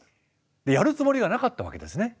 やるつもりはなかったわけですね。